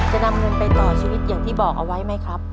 จะนำเงินไปต่อชีวิตอย่างที่บอกเอาไว้ไหมครับ